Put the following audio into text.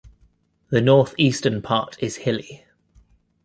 The north-eastern part is hilly.